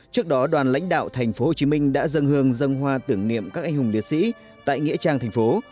trước đó đoàn lãnh đạo tp hcm đã dâng hường dâng hoa tưởng niệm các anh hùng liệt sĩ tại nghĩa trang thành phố